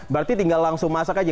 berarti tinggal langsung masak aja